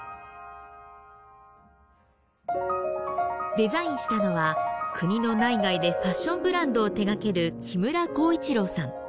デザインしたのは国の内外でファッションブランドを手掛ける木村浩一郎さん。